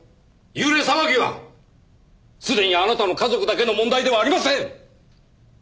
幽霊騒ぎはすでにあなたの家族だけの問題ではありません！